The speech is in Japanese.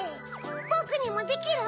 ボクにもできる？